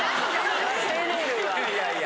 いやいや。